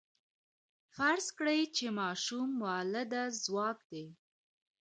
فرض کړئ چې ماشوم مؤلده ځواک دی.